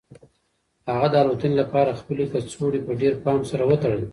هغه د الوتنې لپاره خپلې کڅوړې په ډېر پام سره وتړلې.